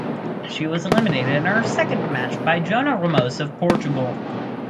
She was eliminated in her second match by Joana Ramos of Portugal.